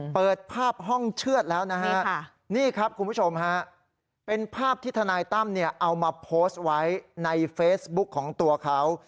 เปิดภาพห้องเชื่อดแล้วนะฮะนี่ครับคุณผู้ชมฮะเป็นภาพที่ทนายตั้มเนี่ยเอามาโพสต์ไว้ในเฟซบุ๊คของตัวเขา